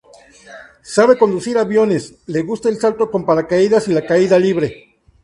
Sabe conducir aviones, le gusta el salto con paracaídas y la caída libre.